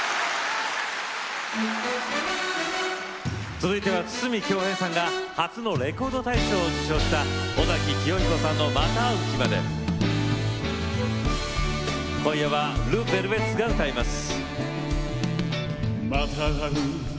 続いては筒美京平さんが初のレコード大賞を受賞した尾崎紀世彦さんの今夜はＬＥＶＥＬＶＥＴＳが歌います。